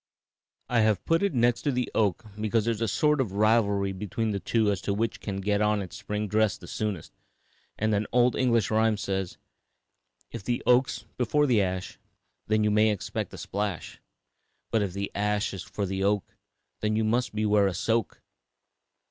I have put it next to the oak because there is a sort of rivalry between the two as to which can get on its spring dress the soonest, and an old English rhyme says, "'If the oak's before the ash, Then you may expect a splash; But if the ash is 'fore the oak, Then you must beware a soak.'"